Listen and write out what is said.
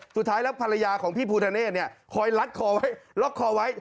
สุดท้ายแล้วภรรยาของพี่พูดฮัลเนสนี่หอยลัดคอไว้ล๊อกคอไว้